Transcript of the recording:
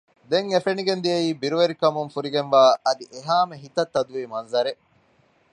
ދެން އެ ފެނިގެން ދިޔައީ ބިރުވެރިކަމުން ފުރިގެންވާ އަދި އެހައިމެ ހިތަށް ތަދުވި މަންޒަރެއް